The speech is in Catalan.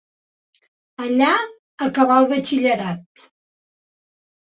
Allà acabà el batxillerat.